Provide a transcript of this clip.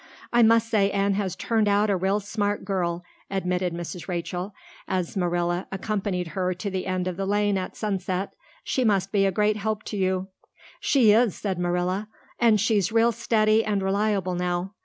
"I must say Anne has turned out a real smart girl," admitted Mrs. Rachel, as Marilla accompanied her to the end of the lane at sunset. "She must be a great help to you." "She is," said Marilla, "and she's real steady and reliable now.